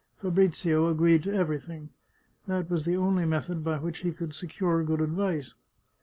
Fabrizio agreed to everything. That was the only method by which he could secure good advice.